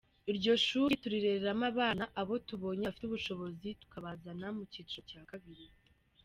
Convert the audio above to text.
Iryo shuri turirereramo abana abo tubonye bafite ubushobozi tukabazana mu cyiciro cya kabiri.